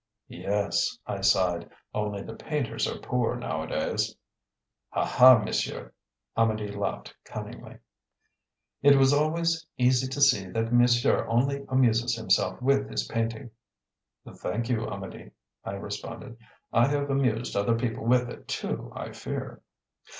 "Yes," I sighed. "Only the painters are poor nowadays." "Ha, ha, monsieur!" Amedee laughed cunningly. "It was always easy to see that monsieur only amuses himself with his painting." "Thank you, Amedee," I responded. "I have amused other people with it too, I fear."